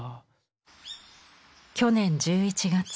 去年１１月。